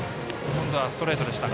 今度はストレートでした。